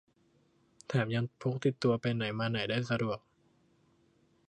แถมยังพกติดตัวไปไหนมาไหนได้สะดวก